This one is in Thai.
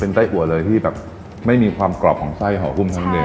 เป็นไส้อัวเลยที่แบบไม่มีความกรอบของไส้หอคุ่มทั้งเดียว